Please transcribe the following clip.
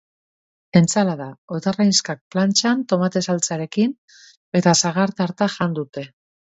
Entsalada, otarrainxkak plantxan tomate saltsarekin eta sagar-tarta jan dute.